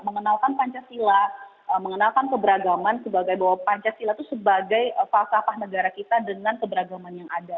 mengenalkan pancasila mengenalkan keberagaman sebagai bahwa pancasila itu sebagai falsafah negara kita dengan keberagaman yang ada